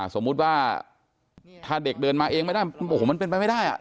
สมมุติว่าถ้าเด็กเดินมาเองมันเป็นไปไม่ได้